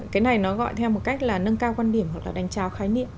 cái này nó gọi theo một cách là nâng cao quan điểm hoặc là đành trao khái niệm